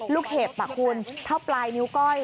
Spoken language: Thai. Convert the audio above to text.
เห็บคุณเท่าปลายนิ้วก้อย